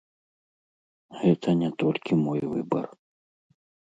Гэта не толькі мой выбар.